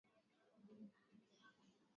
watu watajua kwamba nchi mpya ya sudan